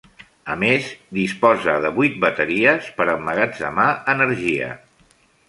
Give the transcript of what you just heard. A més, disposa de vuit bateries per emmagatzemar energia.